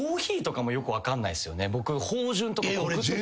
僕芳醇とかコクとか。